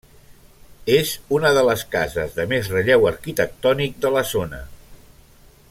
És una de les cases de més relleu arquitectònic de la zona.